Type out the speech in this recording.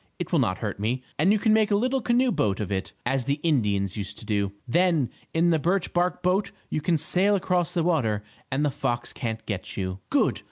It will not hurt me, and you can make a little canoe boat of it, as the Indians used to do. Then, in the birch bark boat you can sail across the water and the fox can't get you." "Good!